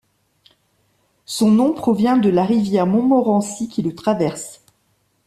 Son nom provient de la rivière Montmorency qui le traverse.